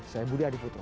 saya budi adi putra